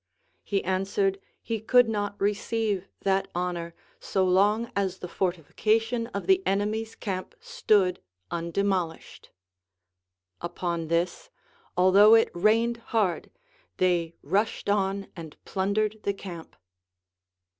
He answered, he could not receive that honor, so long as the fortification of the enemy's camp stood undemolished ; upon this, although it rained hard, they rushed on and plundered the camp.